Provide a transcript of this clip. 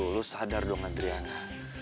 lo sadar dong adriana